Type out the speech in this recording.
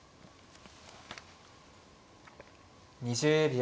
２０秒。